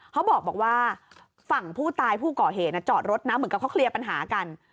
เขาบอกว่าฝั่งผู้ตายผู้ก่อเหตุจอดรถนะเหมือนกับเขาเคลียร์ปัญหากัน